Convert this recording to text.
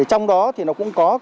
trong đó thì nó cũng có hai liều